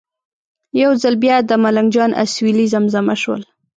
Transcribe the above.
یو ځل بیا د ملنګ جان اسویلي زمزمه شول.